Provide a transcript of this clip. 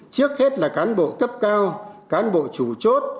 trước hết là cán bộ cấp cao cán bộ chủ chốt